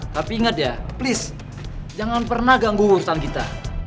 tapi ingat ya please jangan pernah ganggu urusan kita